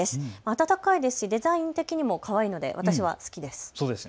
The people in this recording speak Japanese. あたたかいですしデザイン的にもかわいいので私は好きです。